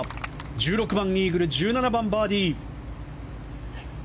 １６番、イーグル１７番、バーディー。